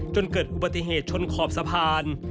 จนเกิดอุบัติเหตุชนขอบสะพาน